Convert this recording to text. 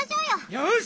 よし！